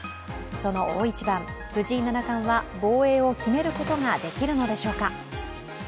その大一番、藤井七冠は防衛を決めることができるのでしょうか。